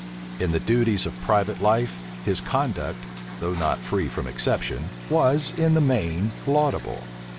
In the duties of private life, his conduct, though not free from exception, was, in the main, laudable.